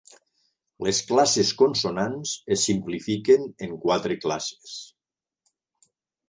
Les classes consonants es simplifiquen en quatre classes.